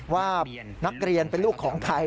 ว่านักเรียนเป็นลูกของใคร